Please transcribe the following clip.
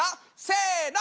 せの。